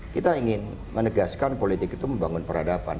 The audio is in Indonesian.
kita ingin menegaskan politik itu membangun peradaban